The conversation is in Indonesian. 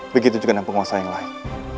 begitu juga dengan penguasa yang lain